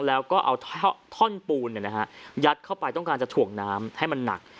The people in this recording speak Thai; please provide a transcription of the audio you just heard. แล้วก็เอาท่อนปูนยัดเข้าไปต้องการจะถ่วงน้ำให้มันหนัก